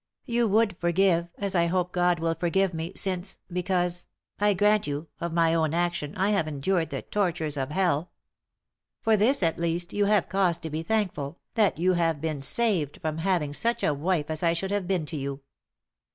You would forgive, as I hope God will forgive me, since, because — I grant you t — of my own action, I have endured the tortures of hell. For this, at least, you have cause to be thank ful, that you have been saved from having such a wife as I should have been to you."